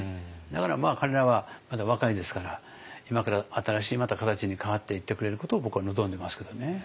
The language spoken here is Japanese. だから彼らはまだ若いですから今から新しいまた形に変わっていってくれることを僕は望んでますけどね。